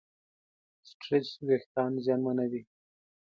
سټرېس وېښتيان زیانمنوي.